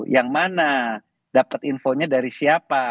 yang mana dapat infonya dari siapa